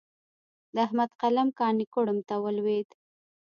د احمد قلم کاڼی کوړم ته ولوېد.